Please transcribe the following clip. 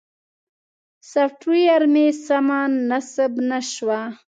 سافټویر مې سمه نصب نه شوه.